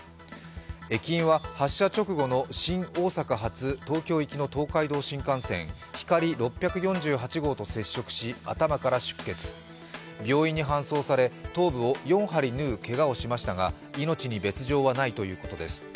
駅員は、発射直後の新大阪発東京行きの東海道新幹線「ひかり６４８」号と接触し頭から出血病院に搬送され、頭部を４針縫うけがをしましたが命に別状はないということです。